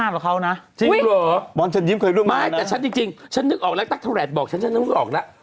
พี่บอลต้องเคยร่วมงานกับเขาน่ะ